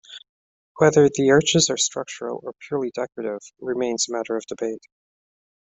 Whether the arches are structural or purely decorative remains a matter of debate.